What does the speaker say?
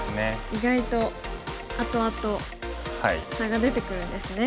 意外と後々差が出てくるんですね。